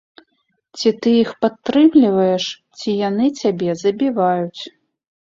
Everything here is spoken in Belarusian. Ці ты іх падтрымліваеш, ці яны цябе забіваюць.